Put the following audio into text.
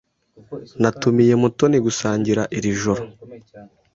Natumiye Mutoni gusangira iri joro.